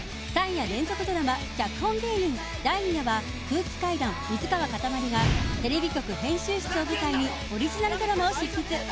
３夜連続ドラマ「脚本芸人」第２夜は空気階段水川かたまりがテレビ局編集室を舞台にオリジナルドラマを執筆。